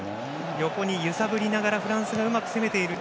横に揺さぶりながらフランスがうまく攻めている。